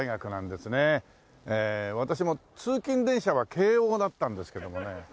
私も通勤電車は京王だったんですけどもね。